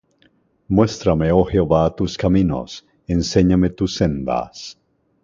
Muéstrame, oh Jehová, tus caminos; Enséñame tus sendas.